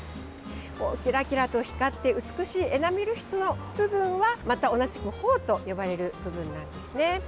キラキラと光って美しいエナメル質の部分はまた同じくホウと呼ばれる部分なんですね。